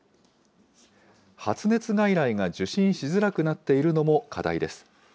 発熱外来が受診しづらくなっているのも課題です。